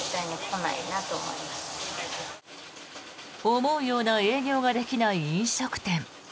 思うような営業ができない飲食店。